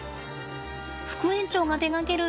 副園長が手がける擬